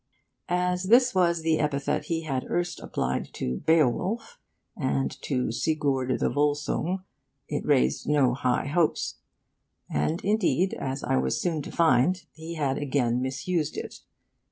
As this was the epithet he had erst applied to 'Beowulf' and to 'Sigurd the Volsung' it raised no high hopes. And indeed, as I was soon to find, he had again misused it.